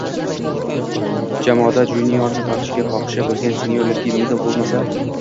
Jamoada juniorni tortishga xohishi bo’lgan senior yoki middle bo’lmasa